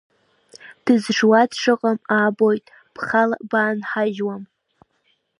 Дызжуа дшыҟам аабоит, бхала баанҳажьуам.